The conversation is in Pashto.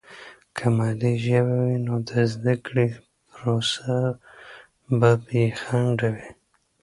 که مادي ژبه وي، نو د زده کړې پروسه به بې خنډه وي.